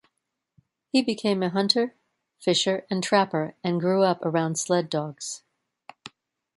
He became a hunter, fisher, and trapper, and grew up around sled dogs.